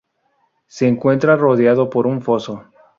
Se encuentra rodeado por un foso.